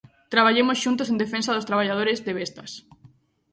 Traballemos xuntos en defensa dos traballadores de Vestas.